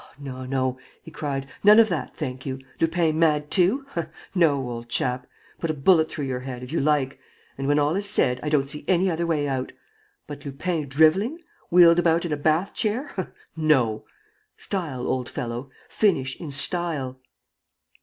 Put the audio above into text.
"Oh, no, no!" he cried. "None of that, thank you! Lupin mad too! No, old chap! Put a bullet through your head, if you like; and, when all is said, I don't see any other way out. But Lupin drivelling, wheeled about in a bath chair ... no! Style, old fellow, finish in style!"